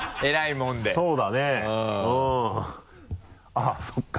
あっそうか。